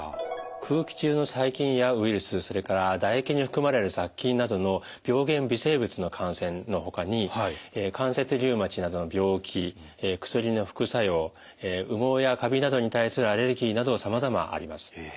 空気中の細菌やウイルスそれから唾液に含まれる雑菌などの病原微生物の感染のほかに関節リウマチなどの病気薬の副作用羽毛やカビなどに対するアレルギーなどさまざまあります。